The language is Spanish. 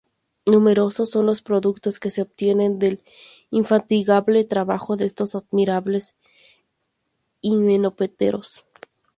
Numerosos son los productos que se obtienen del infatigable trabajo de estos admirables himenópteros.